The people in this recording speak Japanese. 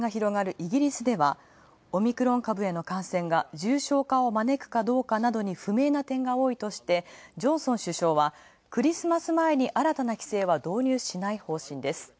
イギリスではオミクロン株への感染が重症化を招くかどうかなどに不明な点が多いとして、ジョンソン首相はクリスマス前に新たな規制は導入しない方針です。